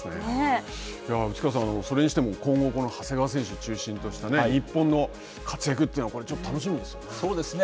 内川さん、それにしても今後、長谷川選手を中心とした日本の活躍というのは、楽しみですそうですね。